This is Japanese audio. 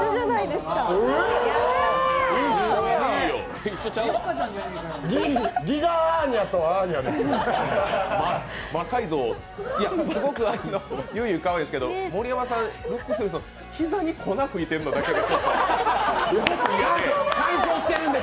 すごくゆいゆいかわいいですけど、盛山さん、膝に粉吹いてるのだけがすごく嫌で。